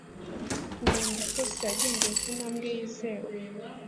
ku nkombe itose yagendeye ku ntambwe yizewe